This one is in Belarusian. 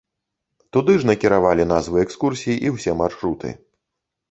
Туды ж накіравалі назвы экскурсій і ўсе маршруты.